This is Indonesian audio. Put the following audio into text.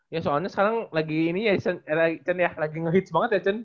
ya soalnya sekarang lagi ini ya cen ya lagi ngehits banget ya chen